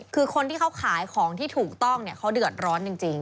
คือคนที่เขาขายของที่ถูกต้องเขาเดือดร้อนจริง